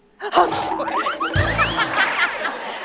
ฮ่ะโอ้โฮ